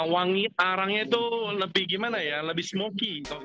wangi arangnya itu lebih gimana ya lebih smoky